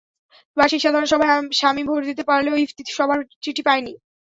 বার্ষিক সাধারণ সভায় সামি ভোট দিতে পারলেও ইফতি সভার চিঠি পায়নি।